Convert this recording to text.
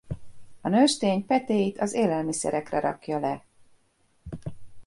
A nőstény petéit az élelmiszerekre rakja le.